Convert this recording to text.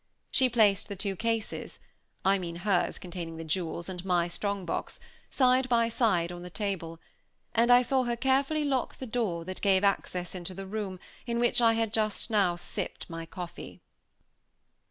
She placed the two cases (I mean hers containing the jewels and my strong box) side by side on the table; and I saw her carefully lock the door that gave access to the room in which I had just now sipped my coffee.